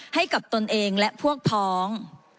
ให้กับตนเองและพวกพ้อง